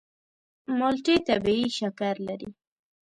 مالټې طبیعي شکر لري.